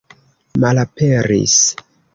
malaperis